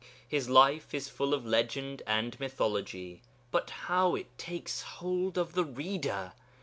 His life is full of legend and mythology, but how it takes hold of the reader!